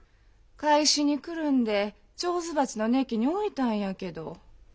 懐紙にくるんで手水鉢のねきに置いたんやけど。